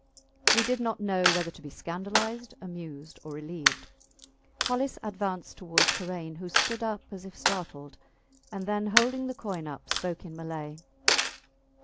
We did not know whether to be scandalized, amused, or relieved. Hollis advanced towards Karain, who stood up as if startled, and then, holding the coin up, spoke in Malay.